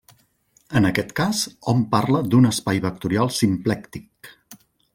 En aquest cas, hom parla d'un espai vectorial simplèctic.